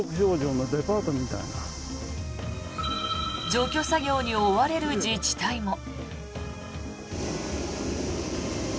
除去作業に追われる自治体も。